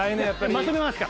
まとめますか？